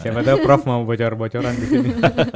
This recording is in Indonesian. siapa tahu prof mau bocor bocoran disini